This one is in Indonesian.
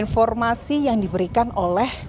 informasi yang diberikan oleh